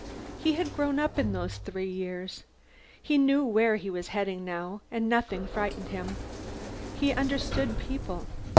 He had grown up, in those three years. He knew where he was heading, now, and nothing frightened him. He understood people.